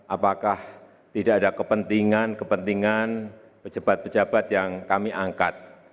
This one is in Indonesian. apakah tidak ada kepentingan kepentingan pejabat pejabat yang kami angkat